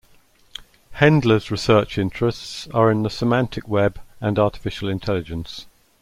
Hendler's research interests are in the semantic web and artificial intelligence.